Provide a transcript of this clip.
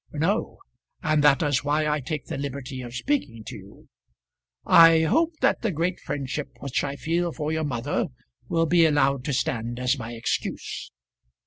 "No; and that is why I take the liberty of speaking to you. I hope that the great friendship which I feel for your mother will be allowed to stand as my excuse."